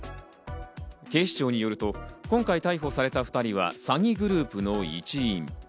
警視庁によると、今回逮捕された２人は詐欺グループの一員。